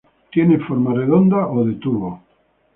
Tiene forma redonda o de tubo.